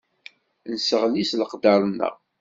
Nesseɣli s leqder-nneɣ.